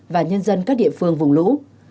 và nhân dân các địa phương vùng lũ